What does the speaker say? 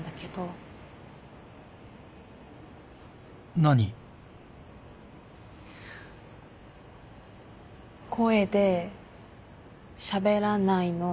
声でしゃべらないの何で？